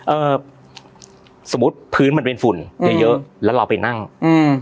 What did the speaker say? เอ่อสมมุติพื้นมันเป็นฝุ่นเยอะเยอะแล้วเราไปนั่งอืม